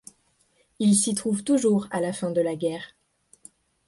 Il s'y trouve toujours à la fin de la guerre.